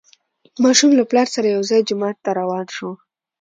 ماشوم له پلار سره یو ځای جومات ته روان شو